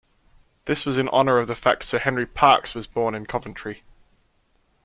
This was in honour of the fact Sir Henry Parkes was born in Coventry.